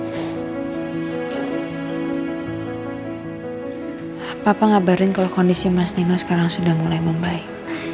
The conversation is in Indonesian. apa apa ngabarin kalau kondisi mas dino sekarang sudah mulai membaik